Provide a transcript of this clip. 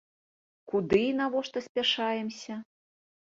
Куды і навошта спяшаемся?!